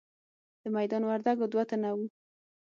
د میدان وردګو دوه تنه وو.